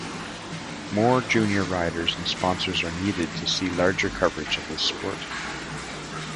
More junior riders and sponsors are needed to see larger coverage of this sport.